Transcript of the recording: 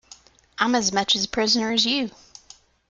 I'm as much a prisoner as you.